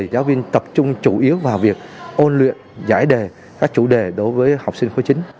giáo viên tập trung chủ yếu vào việc ôn luyện giải đề các chủ đề đối với học sinh khối chính